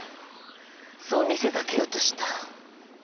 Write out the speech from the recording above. そう見せ掛けようとした。